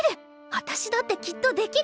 わたしだってきっとできる！